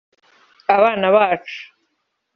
Abana bacu